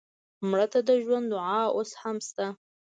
مړه ته د ژوند دعا اوس هم شته